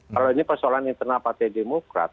kalau ini persoalan internal partai demokrat